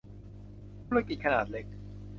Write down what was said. ธุรกิจขนาดเล็ก